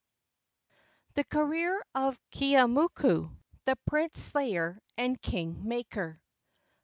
THE CAREER OF KEEAUMOKU, THE PRINCE SLAYER AND KING MAKER.